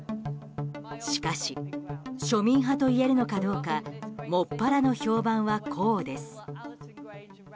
しかし庶民派といえるのかどうかもっぱらの評判はこうです。